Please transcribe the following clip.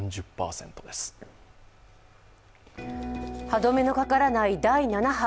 歯止めのかからない第７波。